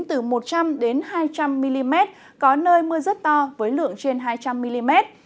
từ một trăm linh hai trăm linh mm có nơi mưa rất to với lượng trên hai trăm linh mm